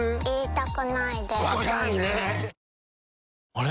あれ？